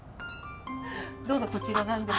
どうぞこちらなんです。